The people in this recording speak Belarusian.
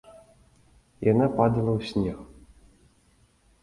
Яна падала ў снег.